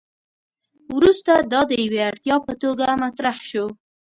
وروسته دا د یوې اړتیا په توګه مطرح شو.